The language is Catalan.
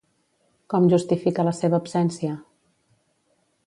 Com justifica la seva absència?